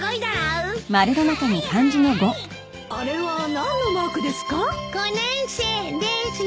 あれは何のマークですか？